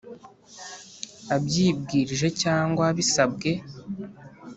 abyibwirije cyangwa bisabwe